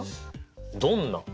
どんな？